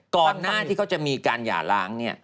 ก่อนหน้าที่เขาจะมีการหย่าล้างเนี่ย